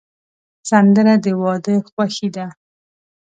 سندره د واده خوښي ده